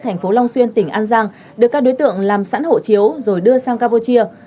thành phố long xuyên tỉnh an giang được các đối tượng làm sẵn hộ chiếu rồi đưa sang campuchia